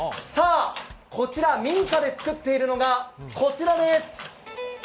こちら、民家で作っているのがこちらです。